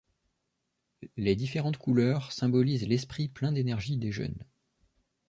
Les différentes couleurs symbolisent l'esprit plein d'énergie des jeunes.